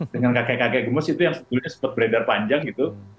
dengan kakek kakek gemes itu yang sebetulnya sempat beredar panjang gitu